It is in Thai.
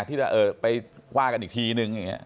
ที่จะไปวากันอีกทีหนึ่ง